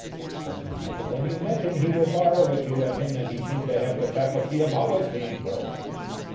For no matter when you met him he would borrow if you let him, and he seemed to have the faculty of always being broke.